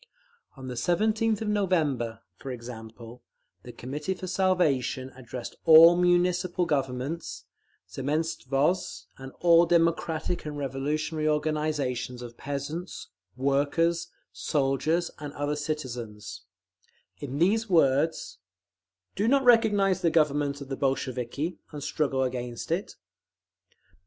On the 17th of November, for example, the Committee for Salvation addressed "all Municipal Governments, Zemstvos, and all democratic and revolutionary organisations of peasants, workers, soldiers and other citizens," in these words: Do not recognise the Government of the Bolsheviki, and struggle against it.